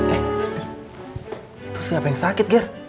eh itu siapa yang sakit ger